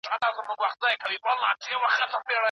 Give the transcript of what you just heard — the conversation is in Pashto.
موږ باید د خلکو غوښتنې واورو.